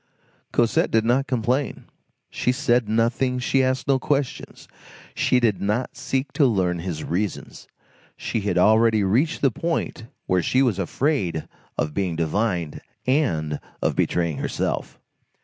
Cosette did not complain, she said nothing, she asked no questions, she did not seek to learn his reasons; she had already reached the point where she was afraid of being divined, and of betraying herself.